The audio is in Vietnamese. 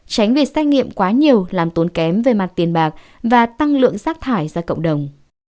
tránh vì xác nghiệm quá nhiều làm tốn kém về mặt tiền bạc và tăng lượng sát thải ra cộng đồng